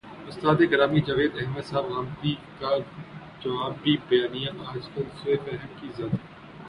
استاد گرامی جاوید احمد صاحب غامدی کا جوابی بیانیہ، آج کل سوء فہم کی زد میں ہے۔